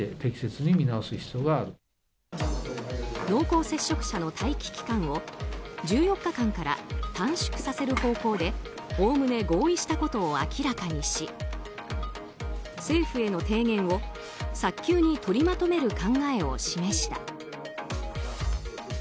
濃厚接触者の待機期間を１４日間から短縮させる方向でおおむね合意したことを明らかにし政府への提言を早急に取りまとめる考えを示した。